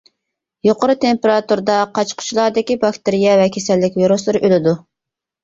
يۇقىرى تېمپېراتۇرىدا قاچا-قۇچىلاردىكى باكتېرىيە ۋە كېسەللىك ۋىرۇسلىرى ئۆلىدۇ.